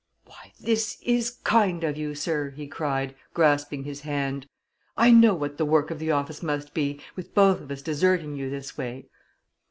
"Why, this is kind of you, sir!" he cried, grasping his hand. "I know what the work of the office must be, with both of us deserting you this way."